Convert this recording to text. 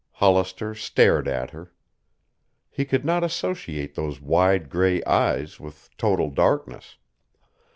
Hollister stared at her. He could not associate those wide gray eyes with total darkness.